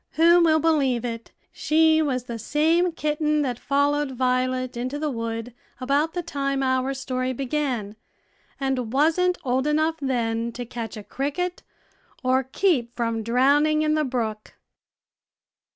Who will believe it? she was the same kitten that followed Violet into the wood about the time our story began, and wasn't old enough then to catch a cricket or keep from drowning in the brook.